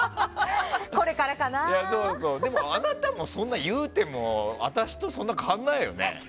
でも、あなたも言うても私とそんなに変わらないよね。